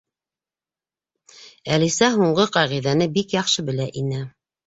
Әлисә һуңғы ҡағиҙәне бик яҡшы белә ине.